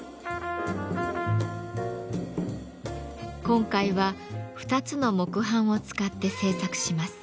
今回は２つの木版を使って制作します。